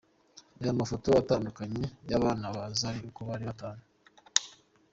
Reba Amafoto atandukanye y’abana ba Zari uko ari batanu:.